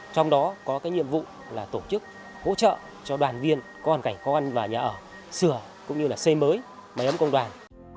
trong đó có cái nhiệm vụ là tổ chức hỗ trợ cho đoàn viên có hoàn cảnh khó khăn và nhà ở sửa cũng như là xây mới máy ấm công đoàn